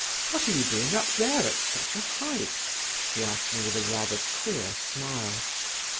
"What are you doing up there at such a height?" she asked me with a rather queer smile.